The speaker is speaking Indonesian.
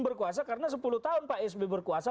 berkuasa karena sepuluh tahun pak s b berkuasa